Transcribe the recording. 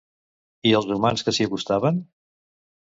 I als humans que s'hi acostaven?